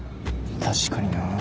確かにな。